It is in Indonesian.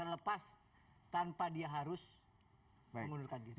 dan lepas tanpa dia harus menggunakan gitu